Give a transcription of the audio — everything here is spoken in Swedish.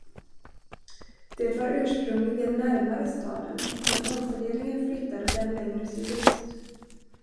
Det var ursprungligen närmare staden, men omfördelningar flyttade den längre sydost.